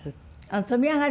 飛び上がる